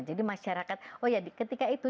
jadi masyarakat oh ya ketika itu